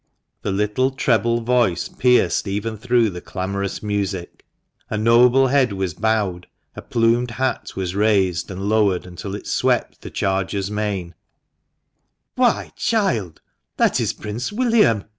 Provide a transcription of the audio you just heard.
The little treble voice pierced even through the clamorous music. A noble head was bowed, a plumed hat was raised, and lowered until it swept the charger's mane, " Why, child, that is Prince William